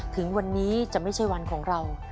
ถึงวันนี้จะไม่ใช่วันของเรา